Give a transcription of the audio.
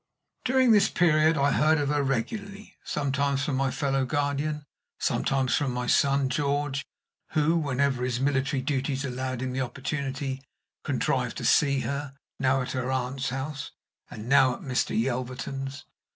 During this period I heard of her regularly, sometimes from my fellow guardian, sometimes from my son George, who, whenever his military duties allowed him the opportunity, contrived to see her, now at her aunt's house, and now at Mr. Yelverton's.